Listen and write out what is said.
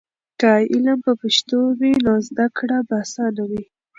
که علم په پښتو وي، نو زده کړه به اسانه وي.